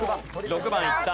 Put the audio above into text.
６番いった。